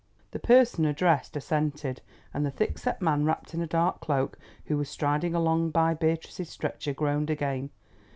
The person addressed assented, and the thick set man wrapped in a dark cloak, who was striding along by Beatrice's stretcher, groaned again.